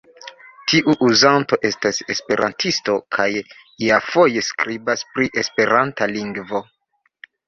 Tiu uzanto estas esperantisto kaj iafoje skribas pri esperanta lingvo.